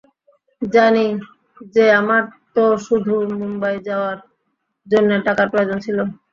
জানি, যে আমার তো শুধু মুম্বাই যাওয়ার জন্যে টাকার প্রয়োজন ছিলো।